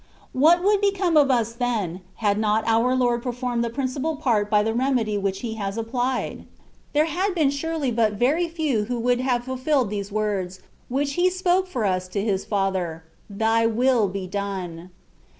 What would become of us then, had not our Lord performed the principal part by the remedy which he has applied ? There had been surely but very few who would have fulfilled these words, which He spoke for us to His Father, '^ Thy will be done.''